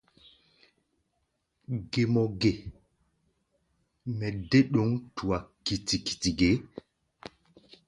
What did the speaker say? Gé mɔ ge mɛ dé ɗǒŋ tua kiti-kiti ge?